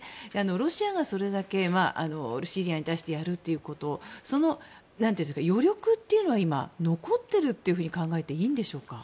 ロシアがそれだけシリアに対してやるというその余力というのは今、残っていると考えていいんでしょうか？